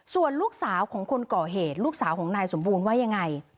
ส่วนลูกสาวของคนก่อเหตุลูกสาวของนายสมบูรณ์ว่ายังไง